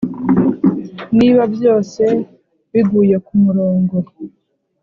niba byose biguye kumurongo.